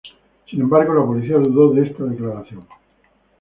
Sin embargo, la policía dudó de esta declaración.